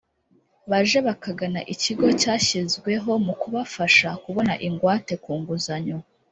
baje bakagana ikigo cyashyizweho mu kubafasha kubona ingwate ku nguzanyo